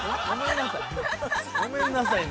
◆ごめんなさいね。